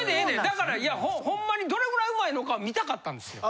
だからいやホンマにどれぐらい上手いのか見たかったんですよ。